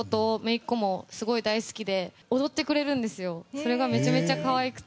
それがめちゃめちゃ可愛くて。